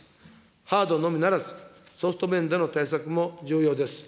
ハードのみならず、ソフト面での対策も重要です。